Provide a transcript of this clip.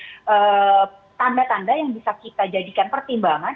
ada tanda tanda yang bisa kita jadikan pertimbangan